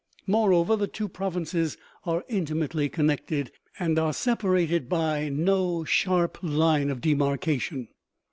Moreover, the two prov inces are intimately connected, and are separated by no sharp line of demarcation.